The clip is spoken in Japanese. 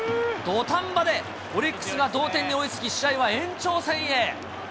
土壇場でオリックスが同点に追いつき、試合は延長戦へ。